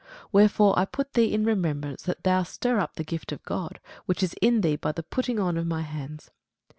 Wherefore I put thee in remembrance that thou stir up the gift of God, which is in thee by the putting on of my hands.